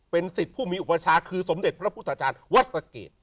เป็นสิทธิ์ผู้มีอุปชาติคือสมเด็จพระพุทธอาจารย์วัฒน์สักเกต